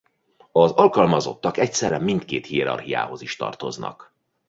Az alkalmazottak egyszerre mindkét hierarchiához is tartoznak.